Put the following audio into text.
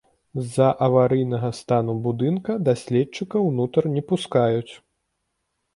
З-за аварыйнага стану будынка даследчыкаў ўнутр не пускаюць.